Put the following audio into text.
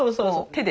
手で？